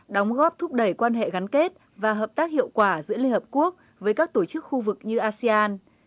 đóng góp thúc đẩy quan hệ gắn kết và hợp tác hiệu quả giữa liên hợp quốc với các tổ chức khu vực như asean